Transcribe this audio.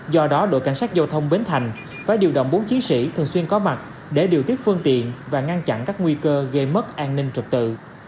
do đó đội cảnh sát giao thông bến thành phải điều động bốn chiến sĩ thường xuyên có mặt để điều tiết phương tiện và ngăn chặn các nguy cơ gây mất an ninh trật tự